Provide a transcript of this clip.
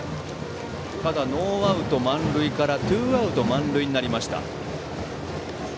ただ、ノーアウト満塁からツーアウト満塁になりました。